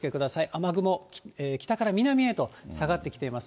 雨雲、北から南へと下がってきています。